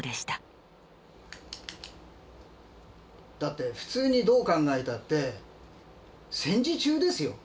だって普通にどう考えたって戦時中ですよ。